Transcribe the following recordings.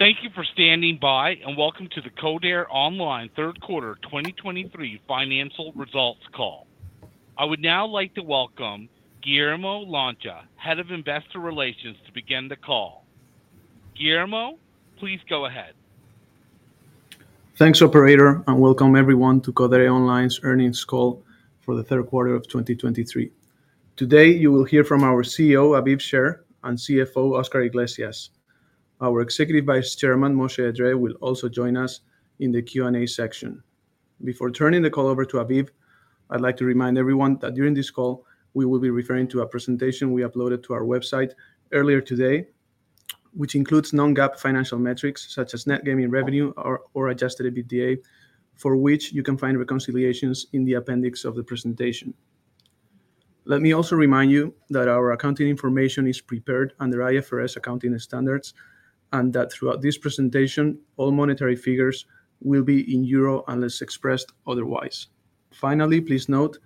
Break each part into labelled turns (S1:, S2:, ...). S1: Thank you for standing by, and welcome to the Codere Online third quarter 2023 financial results call. I would now like to welcome Guillermo Lancha, Head of Investor Relations, to begin the call. Guillermo, please go ahead.
S2: Thanks, operator, and welcome everyone to Codere Online's earnings call for the third quarter of 2023. Today, you will hear from our CEO, Aviv Sher, and CFO, Oscar Iglesias. Our Executive Vice Chairman, Moshe Edree, will also join us in the Q&A section. Before turning the call over to Aviv, I'd like to remind everyone that during this call, we will be referring to a presentation we uploaded to our website earlier today, which includes non-GAAP financial metrics such as Net Gaming Revenue or adjusted EBITDA, for which you can find reconciliations in the appendix of the presentation. Let me also remind you that our accounting information is prepared under IFRS accounting standards, and that throughout this presentation, all monetary figures will be in Euro, unless expressed otherwise. Finally, please note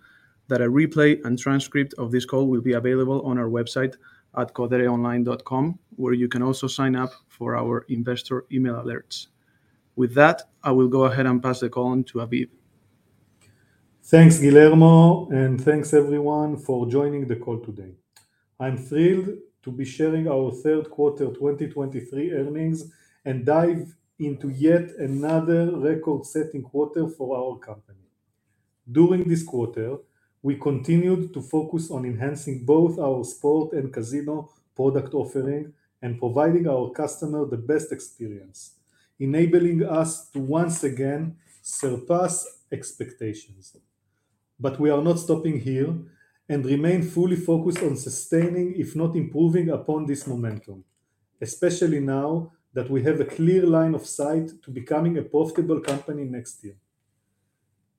S2: that a replay and transcript of this call will be available on our website at codereonline.com, where you can also sign up for our investor email alerts. With that, I will go ahead and pass the call on to Aviv.
S3: Thanks, Guillermo, and thanks, everyone, for joining the call today. I'm thrilled to be sharing our third quarter 2023 earnings and dive into yet another record-setting quarter for our company. During this quarter, we continued to focus on enhancing both our sport and casino product offering and providing our customer the best experience, enabling us to once again surpass expectations. But we are not stopping here and remain fully focused on sustaining, if not improving, upon this momentum, especially now that we have a clear line of sight to becoming a profitable company next year.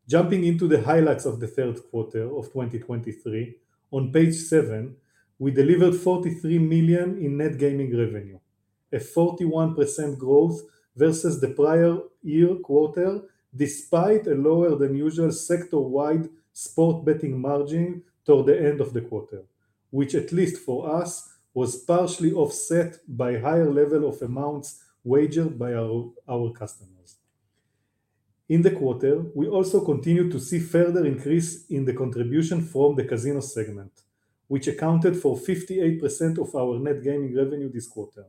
S3: Jumping into the highlights of the third quarter of 2023, on page 7, we delivered 43 million in net gaming revenue, a 41% growth versus the prior year quarter, despite a lower than usual sector-wide sports betting margin toward the end of the quarter, which at least for us, was partially offset by higher level of amounts wagered by our customers. In the quarter, we also continued to see further increase in the contribution from the casino segment, which accounted for 58% of our net gaming revenue this quarter.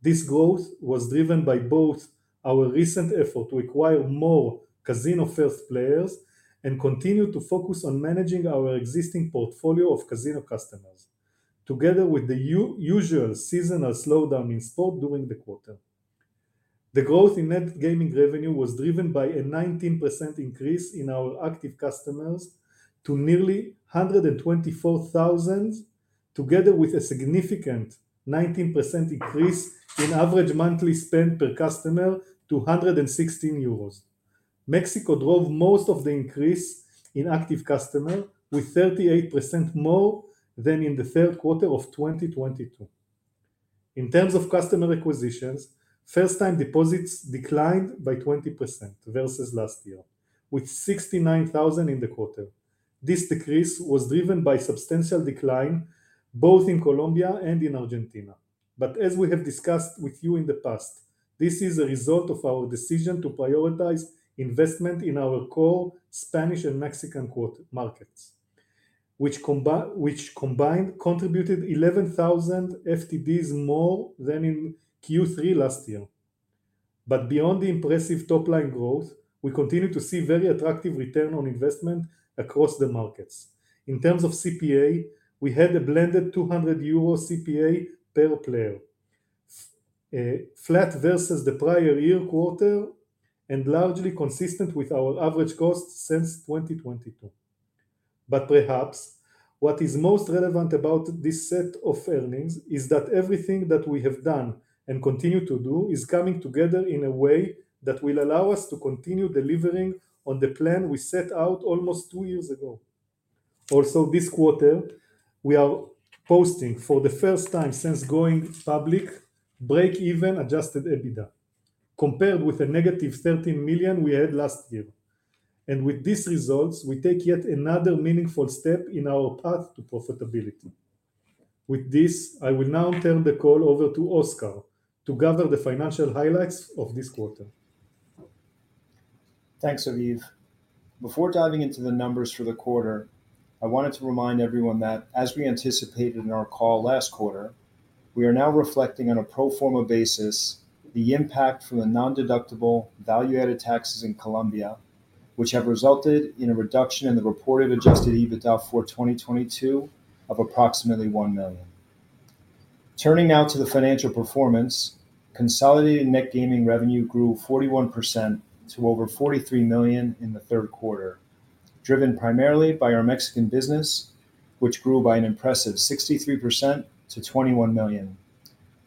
S3: This growth was driven by both our recent effort to acquire more casino-first players and continue to focus on managing our existing portfolio of casino customers, together with the usual seasonal slowdown in sports during the quarter. The growth in net gaming revenue was driven by a 19% increase in our active customers to nearly 124,000, together with a significant 19% increase in average monthly spend per customer to 116 euros. Mexico drove most of the increase in active customer, with 38% more than in the third quarter of 2022. In terms of customer acquisitions, first-time deposits declined by 20% versus last year, with 69,000 in the quarter. This decrease was driven by substantial decline both in Colombia and in Argentina. But as we have discussed with you in the past, this is a result of our decision to prioritize investment in our core Spanish and Mexican markets, which combined, contributed 11,000 FTDs more than in Q3 last year. Beyond the impressive top-line growth, we continue to see very attractive return on investment across the markets. In terms of CPA, we had a blended 200 euro CPA per player, flat versus the prior year quarter and largely consistent with our average cost since 2022. Perhaps what is most relevant about this set of earnings is that everything that we have done and continue to do is coming together in a way that will allow us to continue delivering on the plan we set out almost two years ago. Also, this quarter, we are posting for the first time since going public, break-even adjusted EBITDA, compared with negative 13 million we had last year. With these results, we take yet another meaningful step in our path to profitability. With this, I will now turn the call over to Oscar to gather the financial highlights of this quarter.
S4: Thanks, Aviv. Before diving into the numbers for the quarter, I wanted to remind everyone that, as we anticipated in our call last quarter, we are now reflecting on a pro forma basis, the impact from the non-deductible value-added taxes in Colombia, which have resulted in a reduction in the reported Adjusted EBITDA for 2022 of approximately 1 million. Turning now to the financial performance, consolidated net gaming revenue grew 41% to over 43 million in the third quarter, driven primarily by our Mexican business, which grew by an impressive 63% to 21 million,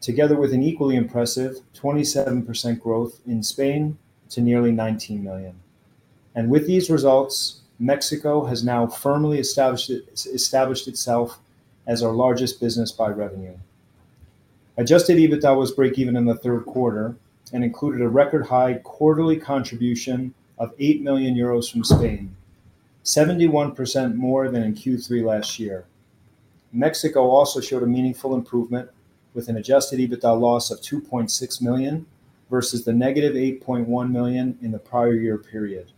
S4: together with an equally impressive 27% growth in Spain to nearly 19 million. And with these results, Mexico has now firmly established it, established itself as our largest business by revenue. Adjusted EBITDA was break-even in the third quarter and included a record high quarterly contribution of 8 million euros from Spain, 71% more than in Q3 last year. Mexico also showed a meaningful improvement with an adjusted EBITDA loss of 2.6 million, versus the negative 8.1 million in the prior year period.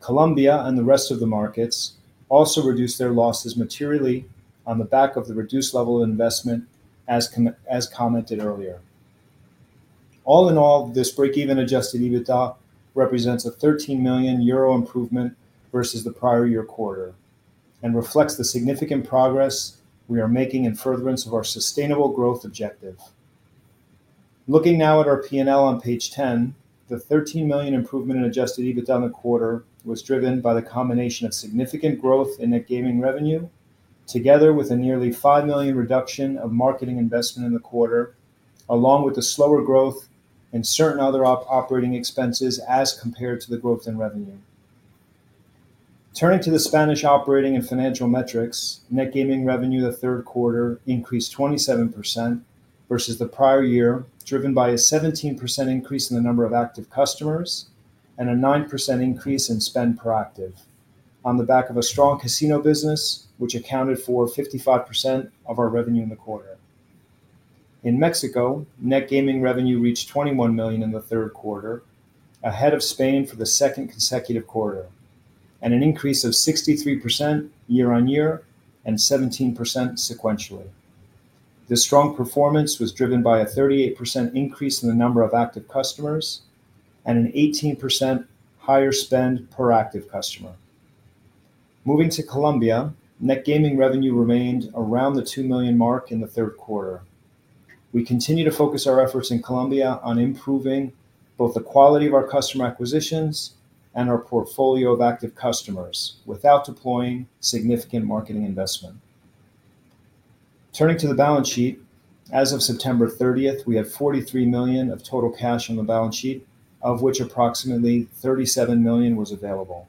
S4: Colombia and the rest of the markets also reduced their losses materially on the back of the reduced level of investment, as commented earlier. All in all, this break-even adjusted EBITDA represents a 13 million euro improvement versus the prior year quarter, and reflects the significant progress we are making in furtherance of our sustainable growth objective. Looking now at our P&L on page 10, the 13 million improvement in adjusted EBITDA in the quarter was driven by the combination of significant growth in net gaming revenue, together with a nearly 5 million reduction of marketing investment in the quarter, along with the slower growth in certain other operating expenses as compared to the growth in revenue. Turning to the Spanish operating and financial metrics, net gaming revenue in the third quarter increased 27% versus the prior year, driven by a 17% increase in the number of active customers and a 9% increase in spend per active, on the back of a strong casino business, which accounted for 55% of our revenue in the quarter. In Mexico, net gaming revenue reached 21 million in the third quarter, ahead of Spain for the second consecutive quarter, and an increase of 63% year-over-year and 17% sequentially. This strong performance was driven by a 38% increase in the number of active customers and an 18% higher spend per active customer. Moving to Colombia, net gaming revenue remained around the 2 million mark in the third quarter. We continue to focus our efforts in Colombia on improving both the quality of our customer acquisitions and our portfolio of active customers, without deploying significant marketing investment. Turning to the balance sheet, as of September 30, we had 43 million of total cash on the balance sheet, of which approximately 37 million was available.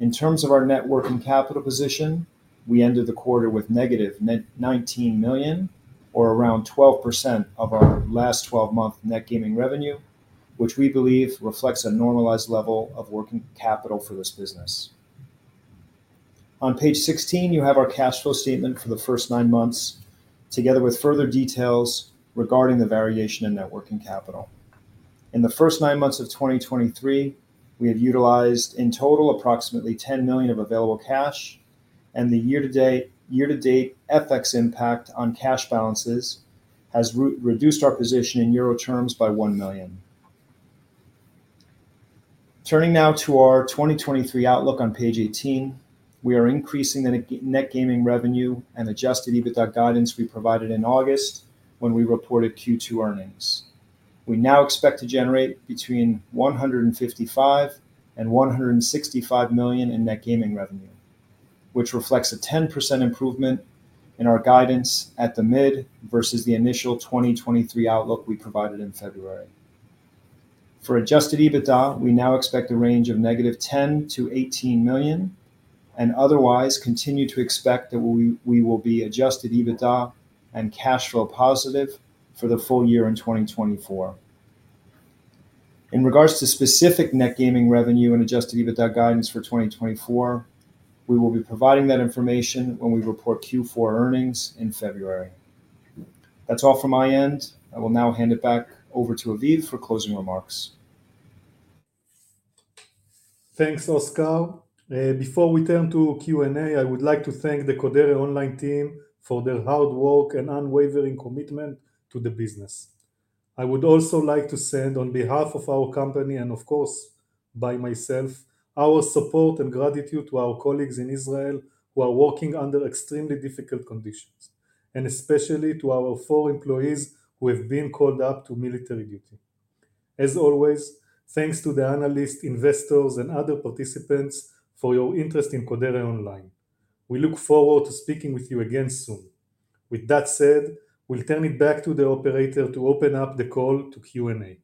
S4: In terms of our net working capital position, we ended the quarter with negative net 19 million, or around 12% of our last 12-month net gaming revenue, which we believe reflects a normalized level of working capital for this business. On page 16, you have our cash flow statement for the first 9 months, together with further details regarding the variation in net working capital. In the first 9 months of 2023, we have utilized, in total, approximately 10 million of available cash, and the year-to-date FX impact on cash balances has reduced our position in euro terms by 1 million. Turning now to our 2023 outlook on page 18, we are increasing the net gaming revenue and adjusted EBITDA guidance we provided in August when we reported Q2 earnings. We now expect to generate between 155 million and 165 million in net gaming revenue, which reflects a 10% improvement in our guidance at the mid versus the initial 2023 outlook we provided in February. For Adjusted EBITDA, we now expect a range of -10 million to 18 million, and otherwise continue to expect that we will be Adjusted EBITDA and cash flow positive for the full year in 2024. In regards to specific net gaming revenue and Adjusted EBITDA guidance for 2024, we will be providing that information when we report Q4 earnings in February. That's all from my end. I will now hand it back over to Aviv for closing remarks.
S3: Thanks, Oscar. Before we turn to Q&A, I would like to thank the Codere Online team for their hard work and unwavering commitment to the business. I would also like to send, on behalf of our company, and of course by myself, our support and gratitude to our colleagues in Israel who are working under extremely difficult conditions, and especially to our four employees who have been called up to military duty. As always, thanks to the analysts, investors, and other participants for your interest in Codere Online. We look forward to speaking with you again soon. With that said, we'll turn it back to the operator to open up the call to Q&A.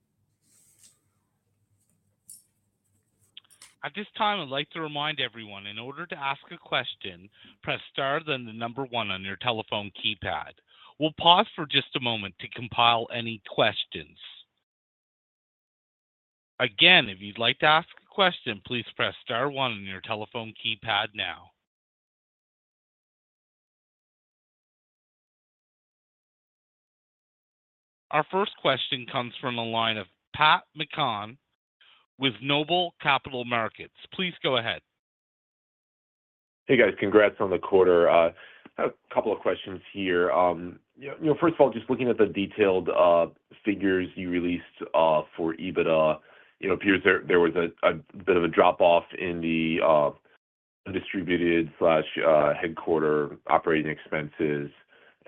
S1: At this time, I'd like to remind everyone, in order to ask a question, press star, then the number one on your telephone keypad. We'll pause for just a moment to compile any questions. Again, if you'd like to ask a question, please press star one on your telephone keypad now. Our first question comes from the line of Pat McCann with Noble Capital Markets. Please go ahead.
S5: Hey, guys. Congrats on the quarter. A couple of questions here. You know, first of all, just looking at the detailed figures you released for EBITDA, you know, it appears there was a bit of a drop-off in the distributed slash headquarters operating expenses,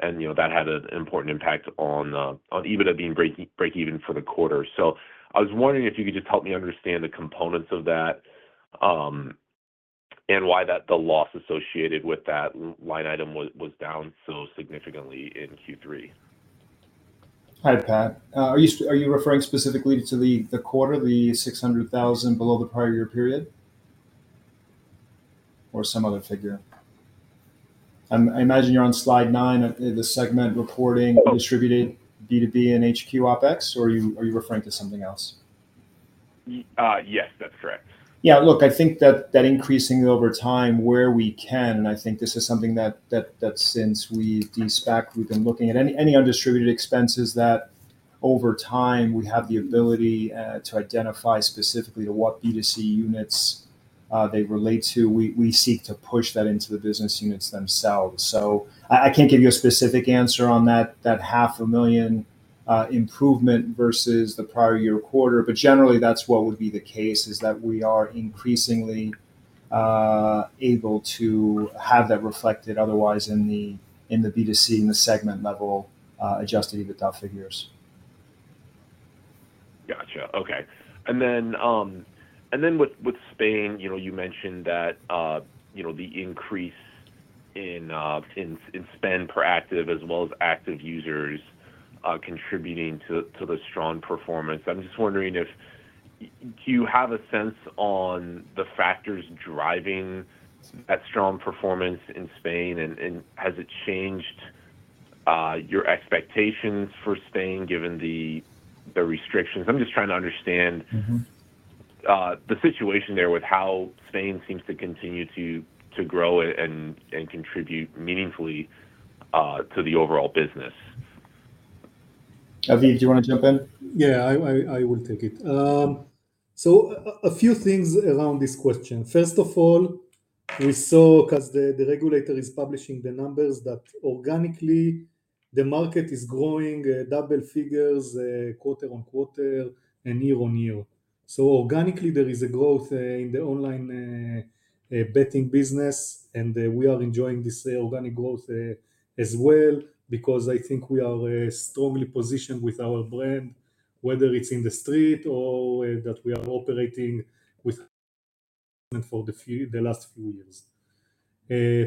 S5: and, you know, that had an important impact on EBITDA being breakeven for the quarter. So I was wondering if you could just help me understand the components of that, and why that the loss associated with that line item was down so significantly in Q3?
S4: Hi, Pat. Are you referring specifically to the quarter, the 600,000 below the prior year period? Or some other figure? I imagine you're on slide 9, the segment reporting distributed B2B and HQ OpEx, or are you referring to something else?
S5: Yes, that's correct.
S4: Yeah, look, I think that increasing over time where we can, and I think this is something that since we lease back, we've been looking at any undistributed expenses that over time we have the ability to identify specifically to what B2C units they relate to. We seek to push that into the business units themselves. So I can't give you a specific answer on that 500,000 improvement versus the prior year quarter, but generally, that's what would be the case, is that we are increasingly able to have that reflected otherwise in the B2C, in the segment-level Adjusted EBITDA figures.
S5: Gotcha. Okay. And then with Spain, you know, you mentioned that, you know, the increase in spend per active as well as active users, contributing to the strong performance. I'm just wondering if... Do you have a sense on the factors driving that strong performance in Spain? And has it changed your expectations for Spain, given the restrictions? I'm just trying to understand.
S4: Mm-hmm
S5: The situation there with how Spain seems to continue to grow and contribute meaningfully to the overall business.
S4: Aviv, do you wanna jump in?
S3: Yeah, I will take it. So a few things around this question. First of all, we saw, 'cause the regulator is publishing the numbers, that organically the market is growing double figures quarter-on-quarter and year-on-year. So organically, there is a growth in the online betting business, and we are enjoying this organic growth as well, because I think we are strongly positioned with our brand, whether it's in the street or that we are operating with for the last few years.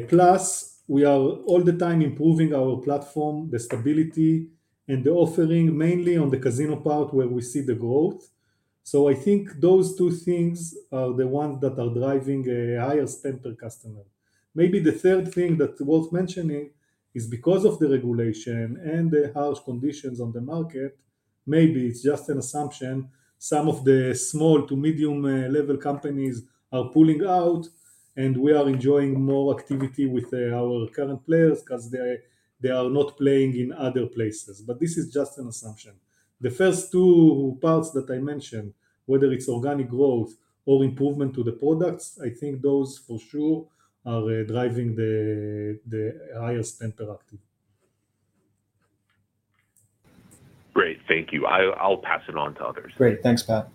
S3: Plus, we are all the time improving our platform, the stability and the offering, mainly on the casino part where we see the growth. So I think those two things are the ones that are driving a higher spend per customer. Maybe the third thing that's worth mentioning is because of the regulation and the harsh conditions on the market, maybe, it's just an assumption, some of the small to medium level companies are pulling out, and we are enjoying more activity with our current players 'cause they, they are not playing in other places. But this is just an assumption. The first two parts that I mentioned, whether it's organic growth or improvement to the products, I think those for sure are driving the highest interactive.
S5: Great. Thank you. I'll, I'll pass it on to others.
S4: Great. Thanks, Pat.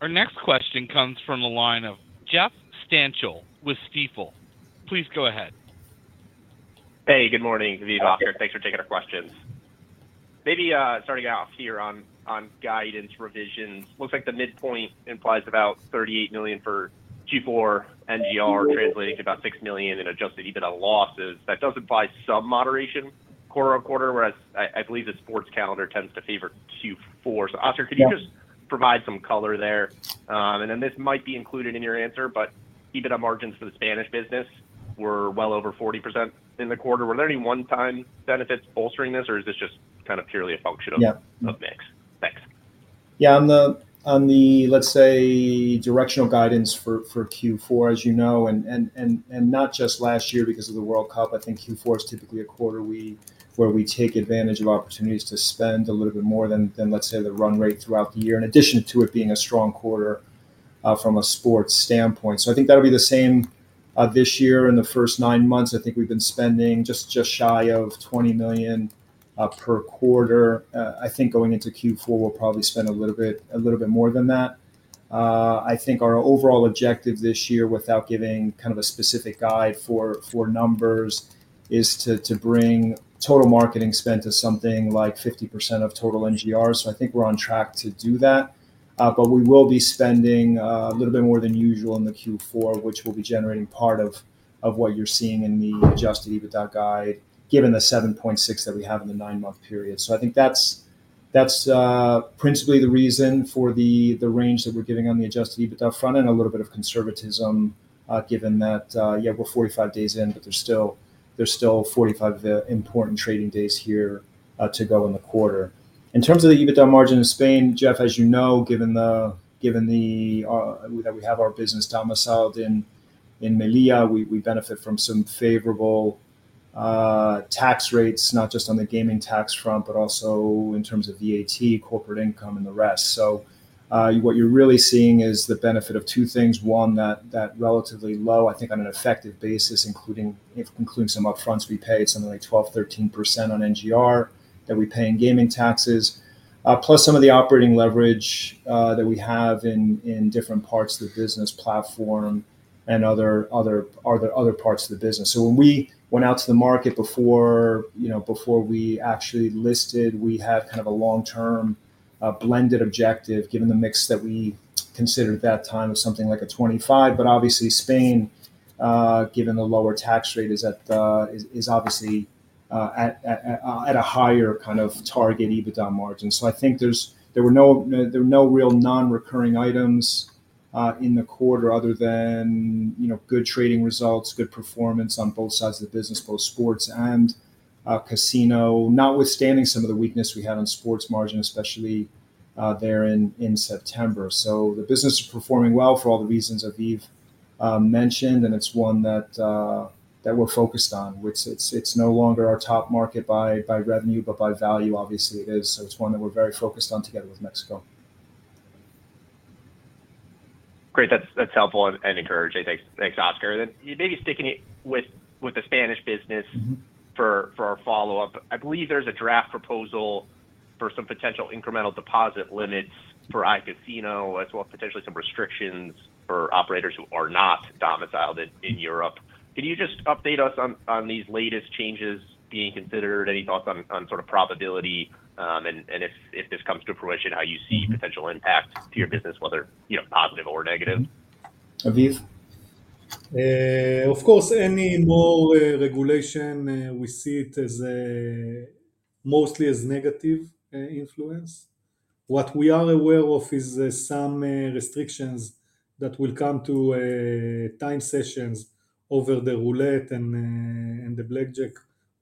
S1: Our next question comes from the line of Jeff Stantial with Stifel. Please go ahead.
S6: Hey, good morning, Aviv, Oscar. Thanks for taking our questions. Maybe starting off here on guidance revisions, looks like the midpoint implies about 38 million for Q4 NGR, translating to about 6 million in Adjusted EBITDA losses. That does imply some moderation quarter-on-quarter, whereas I believe the sports calendar tends to favor Q4.
S4: Yeah.
S6: So Oscar, could you just provide some color there? And then this might be included in your answer, but EBITDA margins for the Spanish business were well over 40% in the quarter. Were there any one-time benefits bolstering this, or is this just kind of purely a function of.
S4: Yeah
S6: Of mix? Thanks.
S4: Yeah, on the let's say directional guidance for Q4, as you know, and not just last year because of the World Cup, I think Q4 is typically a quarter where we take advantage of opportunities to spend a little bit more than let's say the run rate throughout the year, in addition to it being a strong quarter from a sports standpoint. So I think that'll be the same this year. In the first nine months, I think we've been spending just shy of 20 million per quarter. I think going into Q4, we'll probably spend a little bit more than that. I think our overall objective this year, without giving kind of a specific guide for numbers, is to bring total marketing spend to something like 50% of total NGR. So I think we're on track to do that, but we will be spending a little bit more than usual in the Q4, which will be generating part of what you're seeing in the adjusted EBITDA guide, given the 7.6 that we have in the nine-month period. So I think that's principally the reason for the range that we're giving on the adjusted EBITDA front, and a little bit of conservatism, given that, yeah, we're 45 days in, but there's still 45 important trading days here to go in the quarter. In terms of the EBITDA margin in Spain, Jeff, as you know, given that we have our business domiciled in Melilla, we benefit from some favorable tax rates, not just on the gaming tax front, but also in terms of VAT, corporate income, and the rest. So, what you're really seeing is the benefit of two things: one, that relatively low, I think on an effective basis, including some upfronts, we paid something like 12%-13% on NGR that we pay in gaming taxes. Plus some of the operating leverage that we have in different parts of the business platform and other parts of the business. So when we went out to the market before, you know, before we actually listed, we had kind of a long-term blended objective, given the mix that we considered at that time of something like a 25%. But obviously, Spain, given the lower tax rate, is obviously at a higher kind of target EBITDA margin. So I think there's... There were no real non-recurring items in the quarter other than, you know, good trading results, good performance on both sides of the business, both sports and casino. Notwithstanding some of the weakness we had on sports margin, especially there in September. So the business is performing well for all the reasons Aviv mentioned, and it's one that that we're focused on, which it's it's no longer our top market by by revenue, but by value, obviously, it is. So it's one that we're very focused on together with Mexico.
S6: Great. That's helpful and encouraging. Thanks, Oscar. Then maybe sticking it with the Spanish business-
S4: Mm-hmm.
S6: for our follow-up. I believe there's a draft proposal for some potential incremental deposit limits for iCasino, as well as potentially some restrictions for operators who are not domiciled in Europe. Can you just update us on these latest changes being considered? Any thoughts on sort of probability, and if this comes to fruition, how you see potential impact to your business, whether, you know, positive or negative?
S4: Aviv?
S3: Of course, any more regulation, we see it as a mostly as negative influence. What we are aware of is some restrictions that will come to time sessions over the Roulette and the Blackjack,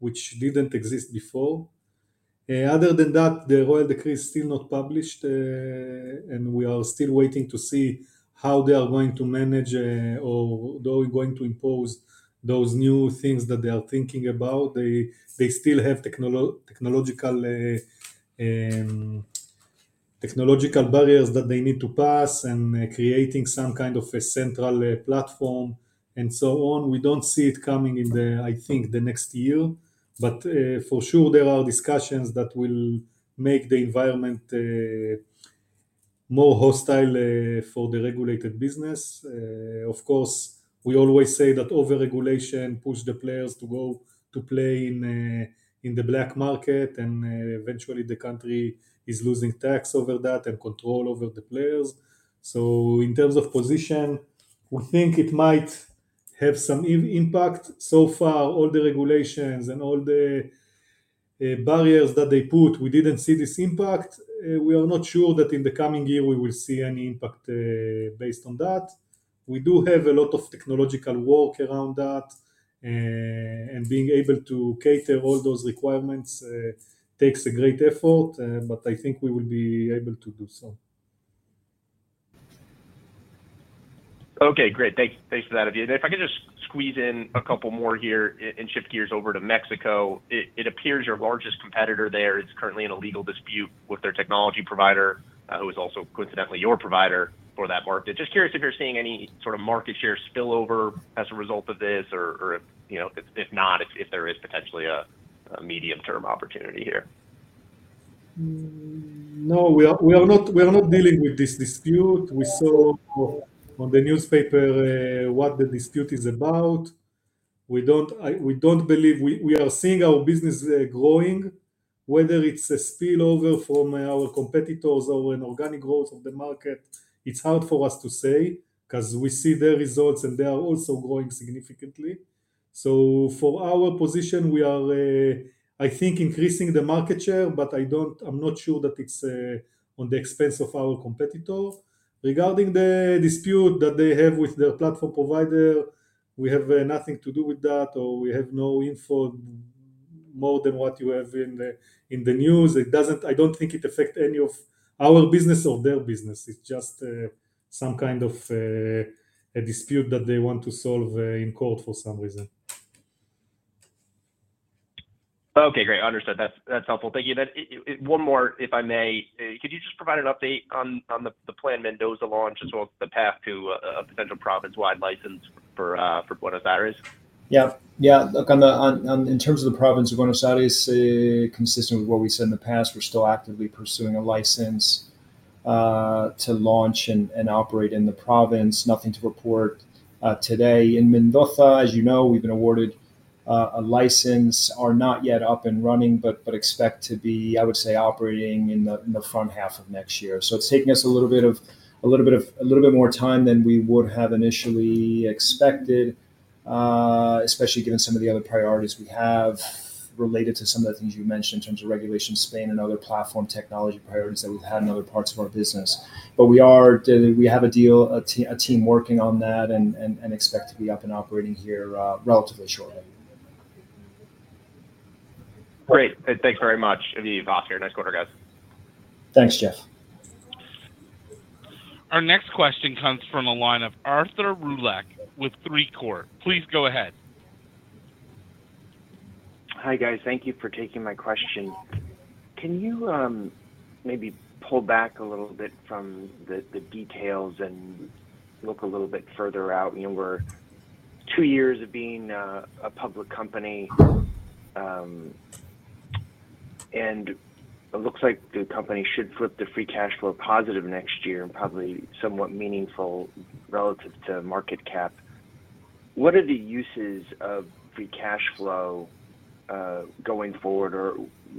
S3: which didn't exist before. Other than that, the royal decree is still not published, and we are still waiting to see how they are going to manage or they are going to impose those new things that they are thinking about. They still have technological barriers that they need to pass, and creating some kind of a central platform and so on. We don't see it coming in the, I think, the next year, but for sure there are discussions that will make the environment more hostile for the regulated business. Of course, we always say that over-regulation push the players to go to play in the black market, and eventually the country is losing tax over that and control over the players. So in terms of position, we think it might have some impact. So far, all the regulations and all the barriers that they put, we didn't see this impact. We are not sure that in the coming year we will see any impact based on that. We do have a lot of technological work around that, and being able to cater all those requirements takes a great effort, but I think we will be able to do so.
S6: Okay, great. Thank you. Thanks for that, Aviv. And if I could just squeeze in a couple more here and shift gears over to Mexico. It appears your largest competitor there is currently in a legal dispute with their technology provider, who is also coincidentally your provider for that market. Just curious if you're seeing any sort of market share spillover as a result of this or if not, if there is potentially a medium-term opportunity here?
S3: No, we are not dealing with this dispute. We saw on the newspaper what the dispute is about. We don't believe we are seeing our business growing, whether it's a spillover from our competitors or an organic growth of the market. It's hard for us to say, 'cause we see their results and they are also growing significantly. So for our position, I think we are increasing the market share, but I'm not sure that it's on the expense of our competitors. Regarding the dispute that they have with their platform provider, we have nothing to do with that, or we have no info more than what you have in the news. It doesn't affect any of our business or their business. It's just, some kind of a dispute that they want to solve, in court for some reason.
S6: Okay, great. Understood. That's, that's helpful. Thank you. Then, one more, if I may: Could you just provide an update on the planned Mendoza launch, as well as the path to a potential province-wide license for Buenos Aires?
S4: Yeah. Yeah, look, on in terms of the province of Buenos Aires, consistent with what we said in the past, we're still actively pursuing a license to launch and operate in the province. Nothing to report today. In Mendoza, as you know, we've been awarded a license, are not yet up and running, but expect to be, I would say, operating in the front half of next year. So it's taking us a little bit more time than we would have initially expected, especially given some of the other priorities we have related to some of the things you mentioned in terms of regulation in Spain and other platform technology priorities that we've had in other parts of our business. We have a deal, a team working on that and expect to be up and operating here relatively shortly.
S6: Great. Thanks very much, Aviv, Oscar. Nice quarter, guys.
S4: Thanks, Jeff.
S1: Our next question comes from the line of Arthur Roulac with Three Court. Please go ahead.
S7: Hi, guys. Thank you for taking my question. Can you maybe pull back a little bit from the details and look a little bit further out? You know, we're two years of being a public company, and it looks like the company should flip to Free Cash Flow positive next year, and probably somewhat meaningful relative to market cap. What are the uses of Free Cash Flow going forward? Or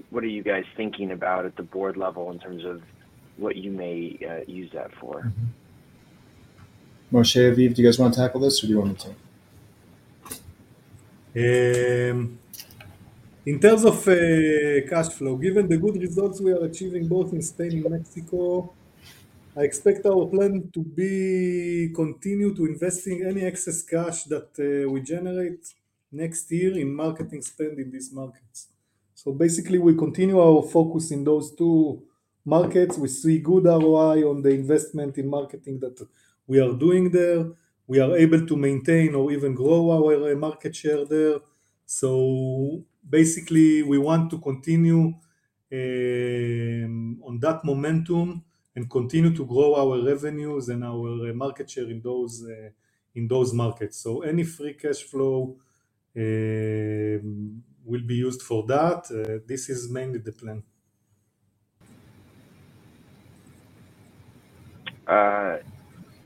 S7: what are you guys thinking about at the board level in terms of what you may use that for?
S4: Mm-hmm. Moshe, Aviv, do you guys want to tackle this, or do you want me to?
S3: In terms of cash flow, given the good results we are achieving both in Spain and Mexico, I expect our plan to be continue to investing any excess cash that we generate next year in marketing spend in these markets. So basically, we continue our focus in those two markets. We see good ROI on the investment in marketing that we are doing there. We are able to maintain or even grow our market share there. So basically, we want to continue on that momentum and continue to grow our revenues and our market share in those markets. So any Free Cash Flow will be used for that. This is mainly the plan.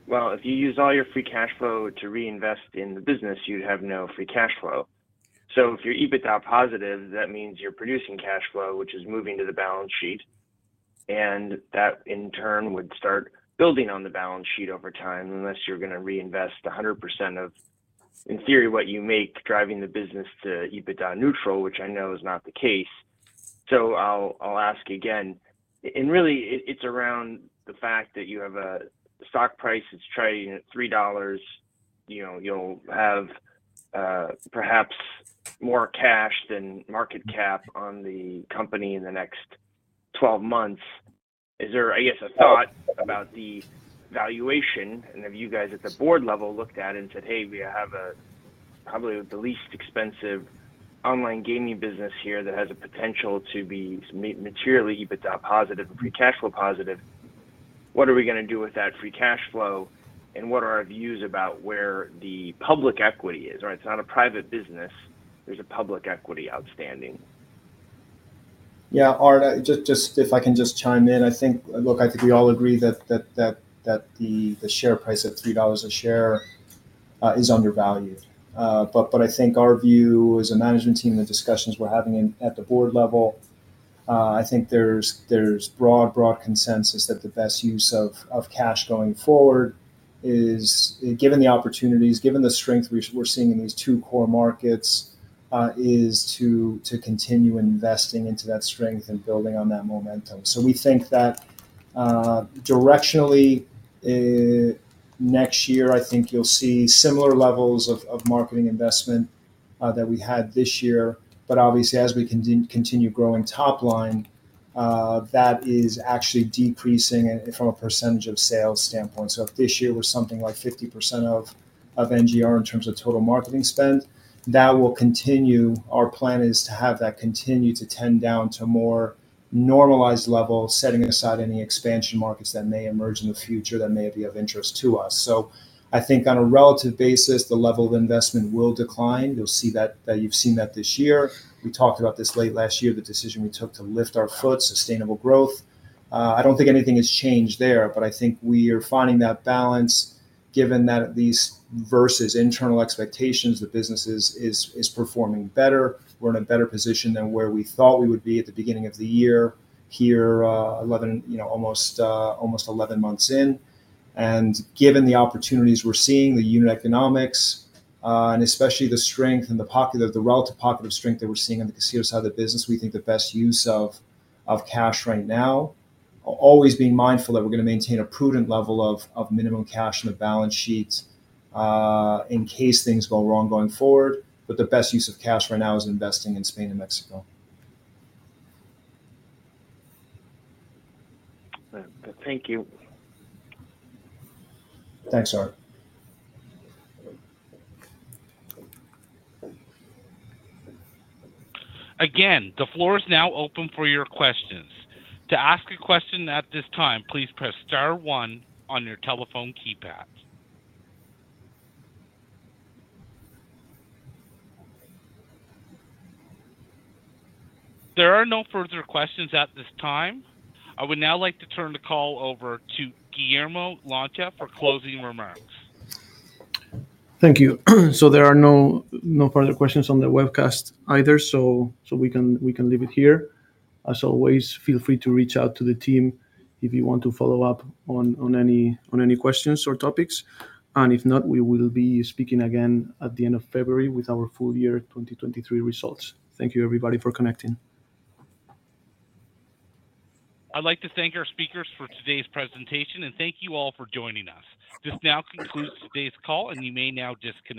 S7: Well, if you use all your free cash flow to reinvest in the business, you'd have no free cash flow. So if you're EBITDA positive, that means you're producing cash flow, which is moving to the balance sheet, and that in turn, would start building on the balance sheet over time, unless you're gonna reinvest 100% of, in theory, what you make driving the business to EBITDA neutral, which I know is not the case. So I'll, I'll ask again, and really, it, it's around the fact that you have a stock price that's trading at $3. You know, you'll have, perhaps more cash than market cap on the company in the next 12 months. Is there, I guess, a thought about the valuation, and have you guys at the board level looked at and said, "Hey, we have a, probably the least expensive online gaming business here that has a potential to be materially EBITDA positive and free cash flow positive. What are we gonna do with that free cash flow, and what are our views about where the public equity is, right? It's not a private business. There's a public equity outstanding.
S4: Yeah, Art, just if I can chime in, I think... Look, I think we all agree that the share price at $3 a share is undervalued. But I think our view as a management team, the discussions we're having in at the board level, I think there's broad consensus that the best use of cash going forward is, given the opportunities, given the strength we're seeing in these two core markets, to continue investing into that strength and building on that momentum. So we think that directionally, next year, I think you'll see similar levels of marketing investment that we had this year. But obviously, as we continue growing top line, that is actually decreasing from a percentage of sales standpoint. So if this year was something like 50% of NGR in terms of total marketing spend, that will continue. Our plan is to have that continue to tend down to a more normalized level, setting aside any expansion markets that may emerge in the future that may be of interest to us. So I think on a relative basis, the level of investment will decline. You'll see that, that you've seen that this year. We talked about this late last year, the decision we took to lift our foot, sustainable growth. I don't think anything has changed there, but I think we are finding that balance, given that at least versus internal expectations, the business is, is, is performing better. We're in a better position than where we thought we would be at the beginning of the year here, 11, you know, almost 11 months in. And given the opportunities we're seeing, the unit economics, and especially the strength and the relative pocket of strength that we're seeing on the casino side of the business, we think the best use of cash right now, always being mindful that we're gonna maintain a prudent level of minimum cash on the balance sheet, in case things go wrong going forward. But the best use of cash right now is investing in Spain and Mexico.
S7: Thank you.
S4: Thanks, Art.
S1: Again, the floor is now open for your questions. To ask a question at this time, please press star one on your telephone keypad. There are no further questions at this time. I would now like to turn the call over to Guillermo Lancha for closing remarks.
S2: Thank you. So there are no further questions on the webcast either, so we can leave it here. As always, feel free to reach out to the team if you want to follow up on any questions or topics. If not, we will be speaking again at the end of February with our full year 2023 results. Thank you, everybody, for connecting.
S1: I'd like to thank our speakers for today's presentation, and thank you all for joining us. This now concludes today's call, and you may now disconnect.